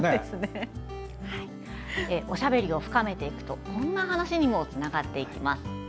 おしゃべりを深めていくとこんな話にもつながります。